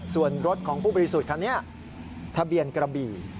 ส่วนรถของผู้บริสุทธิ์คันนี้ทะเบียนกระบี่